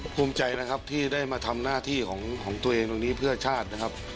ภูมิใจนะครับที่ได้มาทำหน้าที่ของตัวเองตรงนี้เพื่อชาตินะครับ